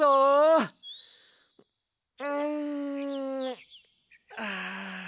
うんああ！